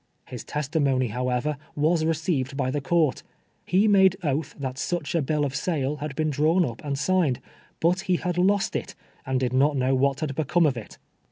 His testimony, however, was receiv ed by the court ! He made oath that such a bill of sale had been drawn up and signed, Init he had lost it, and did not hnoio what had hecome of it